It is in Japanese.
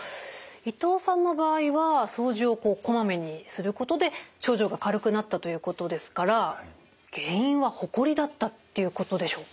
伊藤さんの場合は掃除をこまめにすることで症状が軽くなったということですから原因はホコリだったっていうことでしょうか？